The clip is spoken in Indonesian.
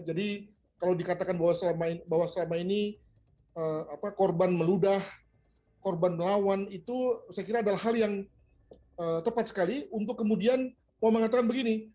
jadi kalau dikatakan bahwa selama ini korban meludah korban melawan itu saya kira adalah hal yang tepat sekali untuk kemudian mau mengatakan begini